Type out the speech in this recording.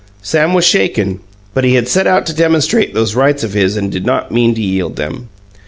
Sam was shaken, but he had set out to demonstrate those rights of his and did not mean to yield them.